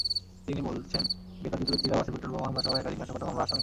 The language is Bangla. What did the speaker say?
তিনি বলেছেন, গ্রেপ্তারকৃত ব্যক্তিরা বাসে পেট্রলবোমা হামলাসহ একাধিক নাশকতা মামলার আসামি।